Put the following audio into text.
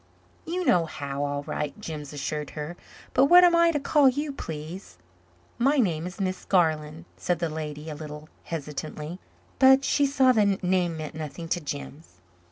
"You know how, all right," Jims assured her. "But what am I to call you, please?" "My name is Miss Garland," said the lady a little hesitatingly. But she saw the name meant nothing to Jims.